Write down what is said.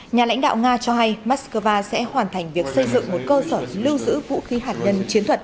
nhà lãnh đạo nga cho hay moscow sẽ hoàn thành việc xây dựng một cơ sở lưu giữ vũ khí hạt nhân chiến thuật